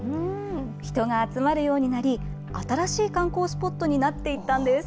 人が集まるようになり、新しい観光スポットになっていったんです。